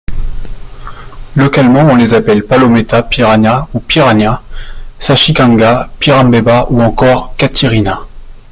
Localement on les appelle palometa, piraña ou piranha, sachicanga, pirambeba ou encore catirina.